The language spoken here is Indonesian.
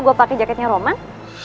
gua pake jaketnya roman